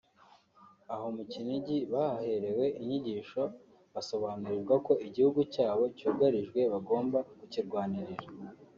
Aho mu Kinigi bahaherewe inyigisho basobanurirwa ko igihugu cyabo cyugarijwe bagomba kukirwanirira